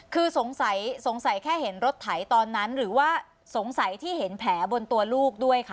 คือสงสัยสงสัยแค่เห็นรถไถตอนนั้นหรือว่าสงสัยที่เห็นแผลบนตัวลูกด้วยคะ